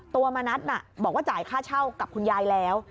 มณัฐบอกว่าจ่ายค่าเช่ากับคุณยายแล้ว